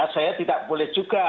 saya tidak boleh juga